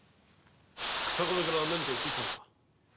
日下部から何か言って来たのか？